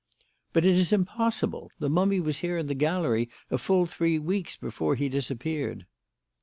"But it is impossible! The mummy was here in the gallery a full three weeks before he disappeared."